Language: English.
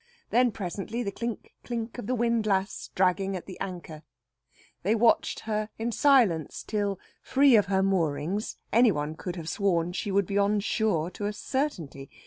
Then presently the clink clink of the windlass dragging at the anchor. They watched her in silence till, free of her moorings, any one could have sworn she would be on shore to a certainty.